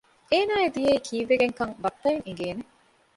އޭނާ އެ ދިޔައީ ކީއްވެގެންކަން ބައްޕައަށް އެނގޭނެ